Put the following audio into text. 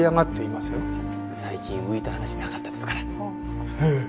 最近浮いた話なかったですから。